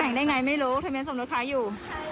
แต่งได้ยังไงไม่รู้จะมีหัวส่องรถคล้ายอยู่